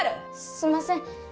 すんません。